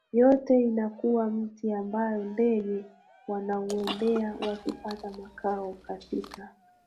yote Inakuwa mti ambao ndege wanauendea wakipata makao katika